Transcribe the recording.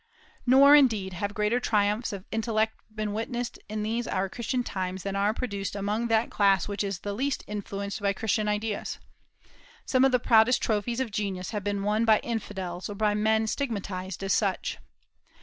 Nor, indeed, have greater triumphs of intellect been witnessed in these our Christian times than are produced among that class which is the least influenced by Christian ideas. Some of the proudest trophies of genius have been won by infidels, or by men stigmatized as such.